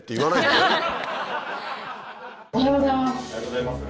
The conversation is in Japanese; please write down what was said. おはようございます。